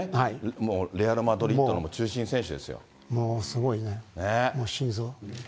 もうレアル・マドリードの中心選もうすごいね、心臓。